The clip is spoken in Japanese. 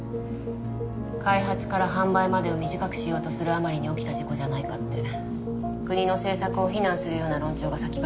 開発から販売までを短くしようとするあまりに起きた事故じゃないかって国の政策を非難するような論調が先走った。